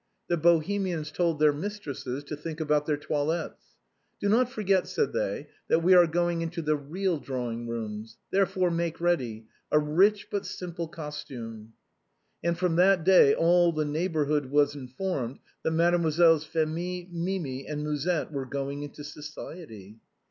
The Bohemians told their mistresses to think about their toilettes. " Do not forget," said they, " that we are going into real drawing rooms. Therefore, make ready, a rich but simple costume.'^ And from that day all the neighborhood was informed that Mesdesmoilles Phémie, Mimi, and Musette, were going into society.